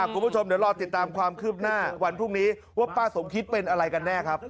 คุณผู้ชมเดี๋ยวรอติดตามความคืบหน้าวันพรุ่งนี้ว่าป้าสมคิดเป็นอะไรกันแน่ครับ